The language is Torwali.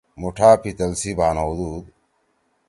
مُوٹھا پِتل سی بھان ہؤدُودُو۔